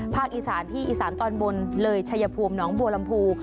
อีสานที่อีสานตอนบนเลยชัยภูมิหนองบัวลำพู